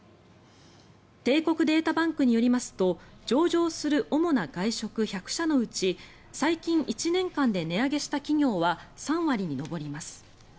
帝国データバンクによりますと上場する主な外食１００社のうち最近１年間で値上げした企業は３割に上ります。